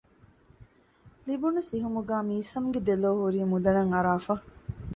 ލިބުނު ސިހުމުގައި މީސަމް ގެ ދެލޯ ހުރީ މުދަނަށް އަރާފަ